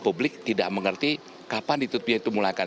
publik tidak mengerti kapan ditutupi itu mulakan